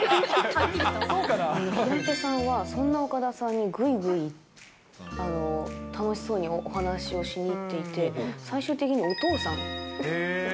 平手さんはそんな岡田さんにぐいぐい楽しそうにお話をしに行ってお父さん？